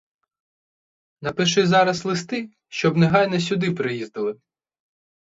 Напиши зараз листи, щоб негайно сюди приїздили.